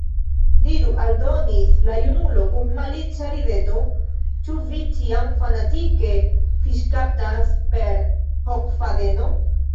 Diru, aldonis la junulo kun malica rideto, ĉu vi ĉiam fanatike fiŝkaptas per hokfadeno?